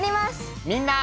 みんな！